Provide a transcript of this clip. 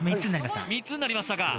３つになりました